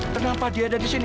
kenapa dia ada disini